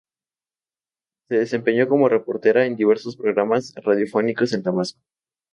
Se desempeñó como reportera en diversos programas radiofónicos en Tabasco.